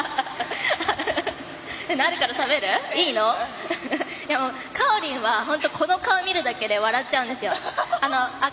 かおりんは本当、この顔見るだけで笑っちゃうんですよ。